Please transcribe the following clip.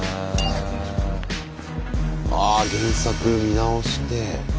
あ原作見直して。